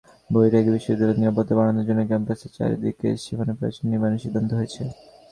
বৈঠকে বিশ্ববিদ্যালয়ের নিরাপত্তা বাড়ানোর জন্য ক্যাম্পাসের চারদিকে সীমানাপ্রাচীর নির্মাণের সিদ্ধান্ত হয়েছে।